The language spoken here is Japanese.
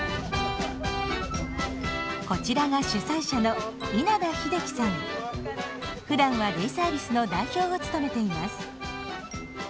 こちらが主催者のふだんはデイサービスの代表を務めています。